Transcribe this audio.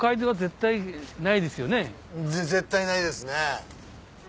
絶対ないですね。